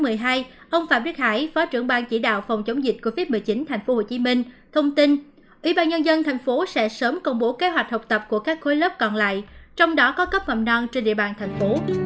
hôm nay ông phạm đức hải phó trưởng ban chỉ đạo phòng chống dịch covid một mươi chín tp hcm thông tin ủy ban nhân dân tp hcm sẽ sớm công bố kế hoạch học tập của các khối lớp còn lại trong đó có cấp mầm non trên địa bàn tp hcm